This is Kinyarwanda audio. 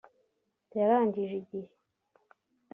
yarangije igihe